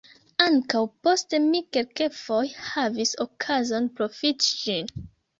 Ankaŭ poste mi kelkfoje havis okazon profiti ĝin.